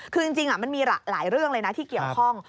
คือจริงมันมีหลายเรื่องเลยนะที่เกี่ยวข้อง